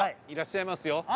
いらっしゃいますよ。